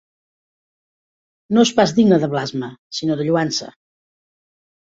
No és pas digne de blasme, sinó de lloança.